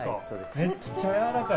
めっちゃやわらかい。